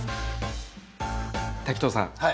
滝藤さん